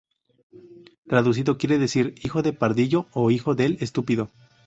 Traducido quiere decir "Hijo de pardillo" ó "Hijo del estúpido".